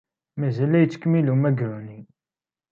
Mazal la yettkemmil wemgaru-nni.